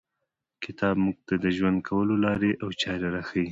کتاب موږ ته د ژوند کولو لاري او چاري راښیي.